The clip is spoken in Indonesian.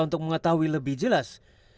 untuk mengetahui lebih jelas